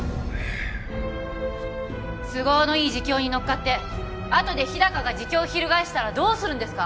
都合のいい自供に乗っかってあとで日高が自供をひるがえしたらどうするんですか？